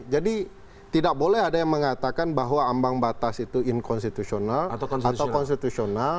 jadi tidak boleh ada yang mengatakan bahwa ambang batas itu inkonstitusional atau konstitusional